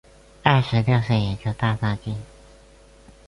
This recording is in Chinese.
二十六岁研究大藏经。